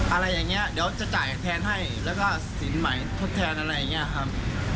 อะไรอย่างนี้เดี๋ยวจะจ่ายแทนให้แล้วก็สินใหม่ทดแทนอะไรอย่างนี้ครับ